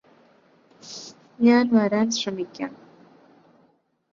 ഞാന് വരാന് ശ്രമിക്കാം